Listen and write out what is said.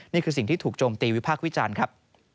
นี่คือสิ่งที่ถูกโจมตีวิพากษ์วิจารณ์ครับ